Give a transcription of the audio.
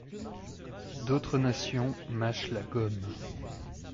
D’autres nations mâchent la gomme.